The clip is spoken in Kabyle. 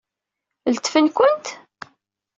Letfen-kent?